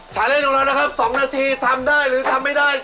ใช้เล่นของเรานะครับ๒นาทีทำได้หรือทำไม่ได้